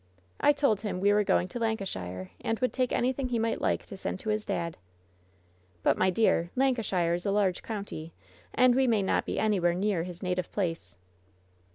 I told him we were going to Lancashire, and would take anything he might like to send to his dad." "But, my dear, Lancashire is a large county, and we may not be anywhere near his native place."